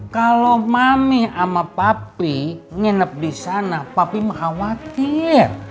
kalau mami sama papi nginep di sana papim khawatir